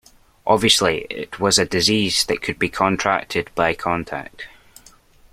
Obviously, it was a disease that could be contracted by contact.